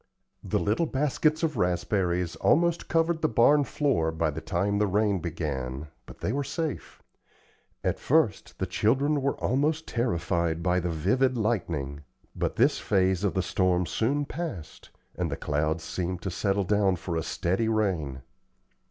The little baskets of raspberries almost covered the barn floor by the time the rain began, but they were safe. At first, the children were almost terrified by the vivid lightning, but this phase of the storm soon passed, and the clouds seemed to settle down for a steady rain.